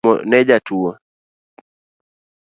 Pi orumo ne jatuo